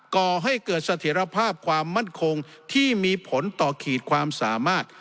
ก่อให้เกิดเสถียรภาพความมั่นคงที่มีผลต่อขีดความสามารถ